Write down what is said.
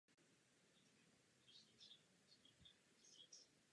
Obvyklá je existence cenzury a trestných pracovních táborů.